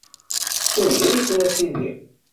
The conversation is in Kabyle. Ssenger-iten, a Sidi.